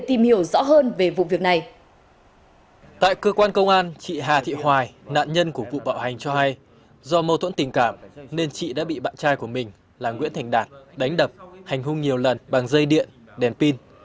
tại cơ quan công an chị hà thị hoài nạn nhân của vụ bạo hành cho hay do mâu thuẫn tình cảm nên chị đã bị bạn trai của mình là nguyễn thành đạt đánh đập hành hung nhiều lần bằng dây điện đèn pin